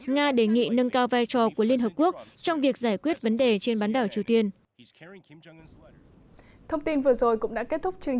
nga đề nghị nâng cao vai trò của liên hợp quốc trong việc giải quyết vấn đề trên bán đảo triều tiên